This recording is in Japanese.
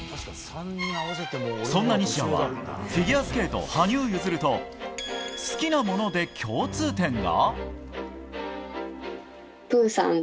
そんな西矢はフィギュアスケート、羽生結弦と好きなもので共通点が。